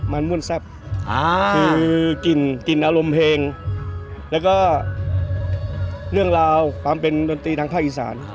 มันม่วนแซ่บคือกลิ่นกลิ่นอารมณ์เพลงแล้วก็เรื่องราวความเป็นดนตรีทางภาคอีสาน